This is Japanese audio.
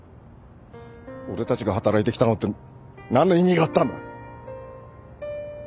俺たちが働いてきたのって何の意味があったんだ。